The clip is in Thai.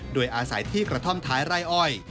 โดยอาศัยที่กระท่อมท้ายไร่อ้อย